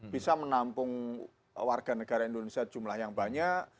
bisa menampung warga negara indonesia jumlah yang banyak